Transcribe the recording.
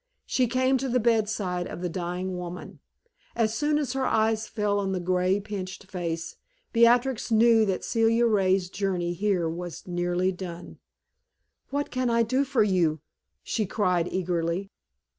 She came to the bedside of the dying woman. As soon as her eyes fell on the gray, pinched face, Beatrix knew that Celia Ray's journey here was nearly done. "What can I do for you?" she cried eagerly.